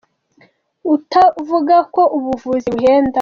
Uta avuga ko ubu buvuzi buhenda.